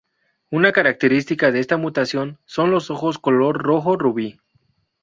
Una característica de esta mutación son los ojos color rojo rubí.